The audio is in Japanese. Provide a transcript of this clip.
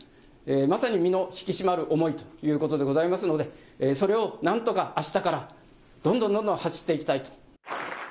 まさに身の引き締まる思いということでございますのでそれをなんとかあしたからどんどんどんどん走っていきたいと。